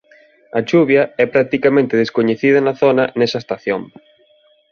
A chuvia é practicamente descoñecida na zona nesa estación.